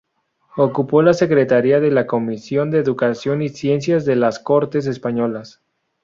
Ocupó la secretaria de la comisión de Educación y Ciencia de las Cortes Españolas.